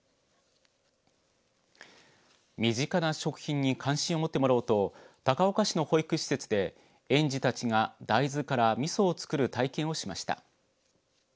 身近な食品に関心を持ってもらおうと高岡市の保育施設で園児たちが大豆からみそを作る体験をしました。